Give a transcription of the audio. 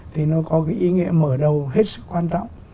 thì nó có cái ý nghĩa mở đầu hết sức quan trọng